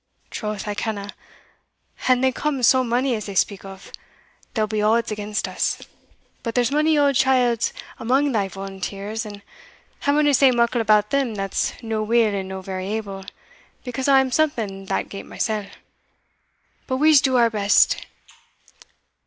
"Troth I kenna an they come so mony as they speak o', they'll be odds against us. But there's mony yauld chields amang thae volunteers; and I mauna say muckle about them that's no weel and no very able, because I am something that gate mysell But we'se do our best."